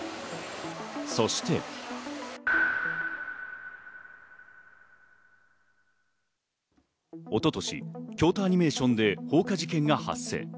そして。一昨年、京都アニメーションで放火事件が発生。